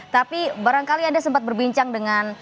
tapi barangkali anda sempat berbincang dengan